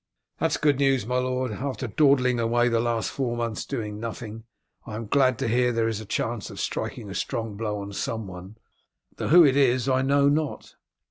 "That is good news, my lord. After dawdling away the last four months doing nothing I am glad to hear that there is a chance of striking a strong blow on someone, though who it is I know not."